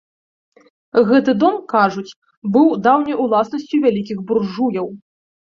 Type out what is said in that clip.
Гэты дом, кажуць, быў даўней уласнасцю вялікіх буржуяў.